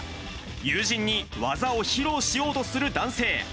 友人に技を披露しようとする男性。